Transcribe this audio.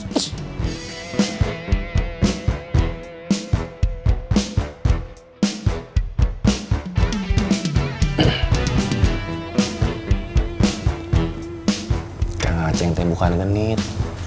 kakak ngaceng tuh bukan genit